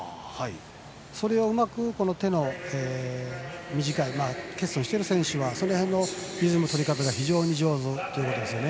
それをうまく、手の短い欠損している選手はその辺のリズムの取り方が非常に上手ということですね。